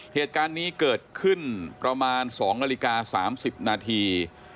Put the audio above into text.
เหตุการณ์นี้เกิดขึ้นประมาณ๒นาฬิกา๓๐นาที